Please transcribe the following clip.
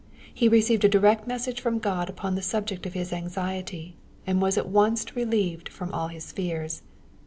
He received a direct message from God upon the subject of his anxiety^ and was at once relieved from all his fears.